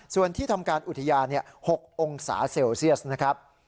ส่วนที่ทำการอุทยาน๖องศาเซลเซียสนะครับ